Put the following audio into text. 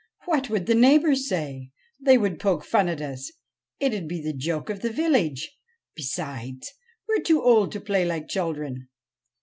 'What would the neighbours say? They would poke fun at us; it'd be the joke of the village. Besides, we're too old to play like children.'